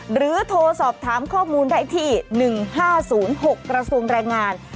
โทรสอบถามข้อมูลได้ที่๑๕๐๖กระทรวงแรงงาน